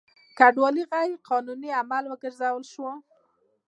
کډوالي غیر قانوني عمل وګرځول شو.